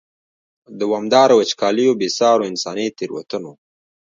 دوامدارو وچکالیو، بې سارو انساني تېروتنو.